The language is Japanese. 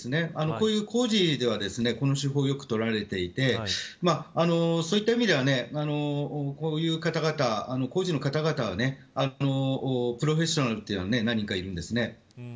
こういう工事ではこの手法はよく取られていてそういった意味ではこういう方々工事の方々はプロフェッショナルというのは何人かいるんです。